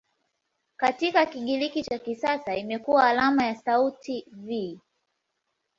Katika Kigiriki cha kisasa imekuwa alama ya sauti "V".